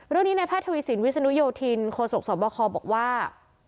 รวมนี้ในแพทย์ทวิสินวิสนุยธินโฆษกษบคอบอกว่า